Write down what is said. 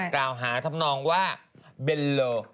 กล่าวหาทำนองว่าเบลโล